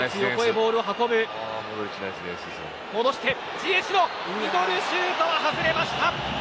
ジエシュのミドルシュートは外れました。